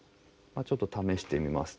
ちょっと試してみますと。